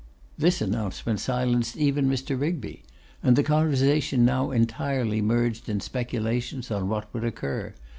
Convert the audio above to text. This announcement silenced even Mr. Rigby, and the conversation now entirely merged in speculations on what would occur.